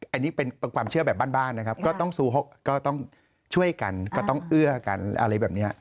อันนี้เป็นความเชื่อแบบบ้านนะครับก็ต้องช่วยกันก็ต้องเอื้อกันอะไรแบบนี้